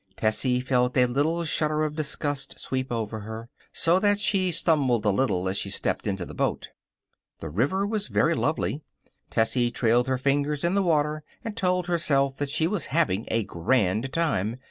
Tessie felt a little shudder of disgust sweep over her, so that she stumbled a little as she stepped into the boat. The river was very lovely. Tessie trailed her fingers in the water and told herself that she was having a grand time.